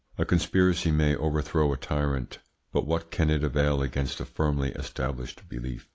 A conspiracy may overthrow a tyrant, but what can it avail against a firmly established belief?